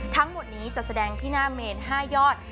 ทั้งหมดนี้จะแสดงที่หน้าเมน๕ยอด